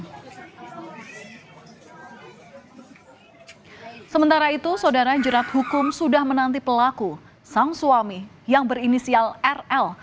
hai hai sementara itu saudara jurat hukum sudah menanti pelaku sang suami yang berinisial rl